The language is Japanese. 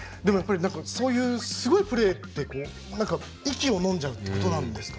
そういうすごいプレーって息をのんじゃうってことなんですか？